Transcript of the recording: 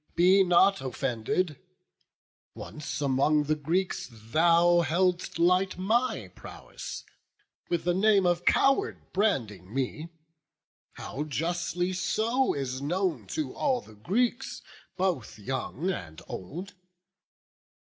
Be not offended: once, among the Greeks Thou heldest light my prowess, with the name Of coward branding me; how justly so Is known to all the Greeks, both young and old.